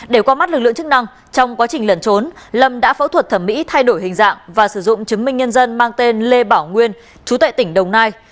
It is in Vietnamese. để qua mắt lực lượng chức năng trong quá trình lẩn trốn lâm đã phẫu thuật thẩm mỹ thay đổi hình dạng và sử dụng chứng minh nhân dân mang tên lê bảo nguyên chú tại tỉnh đồng nai